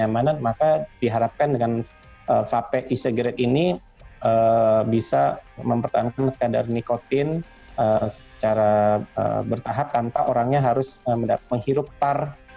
maka diharapkan dengan vape isegrade ini bisa mempertahankan kadar nikotin secara bertahap tanpa orangnya harus menghirup tar